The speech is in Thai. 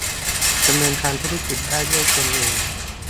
ดำเนินธุรกิจได้ด้วยตนเอง